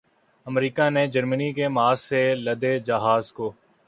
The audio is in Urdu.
امریکا نے جرمنی کے ماسک سے لدے جہاز کو